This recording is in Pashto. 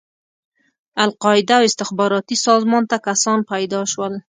القاعده او استخباراتي سازمان ته کسان پيدا شول.